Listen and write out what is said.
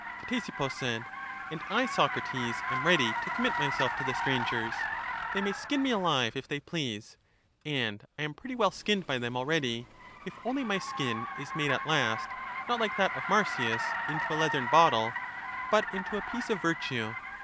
Ctesippus said : And I, Socrates, am ready to com mit myself to the strangers ; they may skin me alive, if they please (and I am pretty well skinned by them already) , if only my skin is made at last, not like that 242 EUTHYDEMUS of Marsyas, into a leathern bottle, but into a piece of virtue.